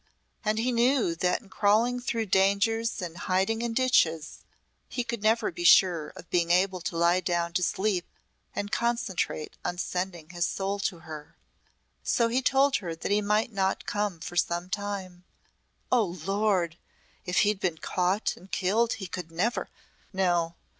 And he knew that in crawling through dangers and hiding in ditches he could never be sure of being able to lie down to sleep and concentrate on sending his soul to her. So he told her that he might not come for some time. Oh, lord! If he'd been caught and killed he could never No!